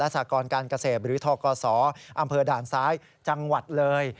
สากรการเกษตรหรือทกศอำเภอด่านซ้ายจังหวัดเลย